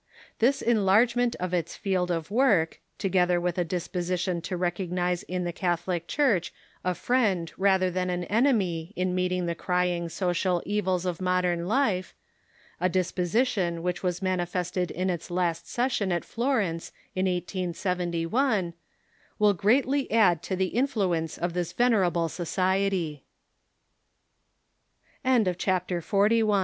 This enlargement of its field of work, together with a disposition to recognize in the Catholic Church a friend rather than an enemy in meeting the crNMng social evils of modern life — a disposition which was manifested in its last session at Florence in 1891 — will greatly add to the influence of this ve